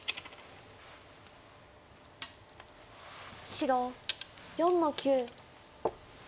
白４の九。